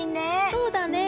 そうだね。